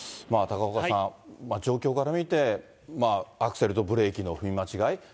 高岡さん、状況から見て、アクセルとブレーキの踏み間違い？